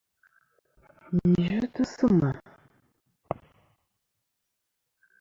Ghi yvɨtɨ sɨ ma.